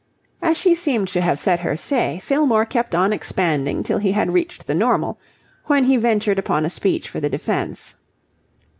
As she seemed to have said her say, Fillmore kept on expanding till he had reached the normal, when he ventured upon a speech for the defence.